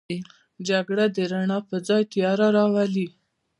جګړه د رڼا پر ځای تیاره راولي